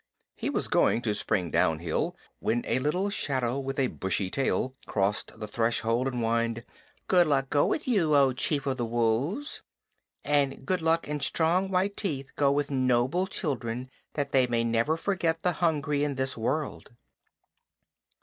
He was going to spring down hill when a little shadow with a bushy tail crossed the threshold and whined: "Good luck go with you, O Chief of the Wolves. And good luck and strong white teeth go with noble children that they may never forget the hungry in this world."